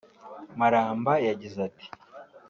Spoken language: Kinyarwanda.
Maramba yagize ati